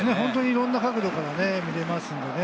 いろいろな角度から見られますのでね。